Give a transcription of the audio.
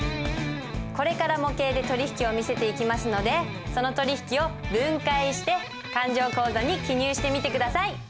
これから模型で取引を見せていきますのでその取引を分解して勘定口座に記入してみて下さい。